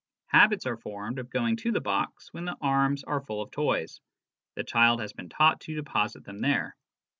... Habits are formed of going to the box when the arms are full of toys. The child has been taught to deposit them there.